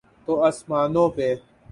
تو آسمانوں پہ۔